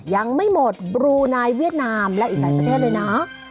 ยังไม่หมดบลูนายเวียดนามและอีกหลายประเทศเลยนะ